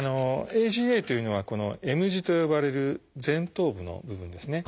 ＡＧＡというのはこのＭ字と呼ばれる前頭部の部分ですね。